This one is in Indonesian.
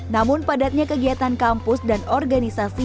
namun padatnya kegiatan kampus dan organisasi